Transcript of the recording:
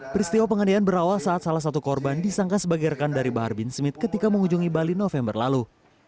peristiwa penganian berawal saat salah satu korban disangka sebagai rekan dari bahar bin smith ketika mengunjungi bali november lalu